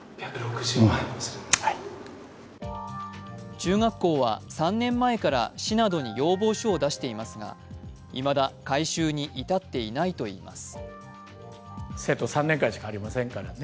中学校は３年前から市などに要望書を出していますがいまだ改修に至っていないといいます。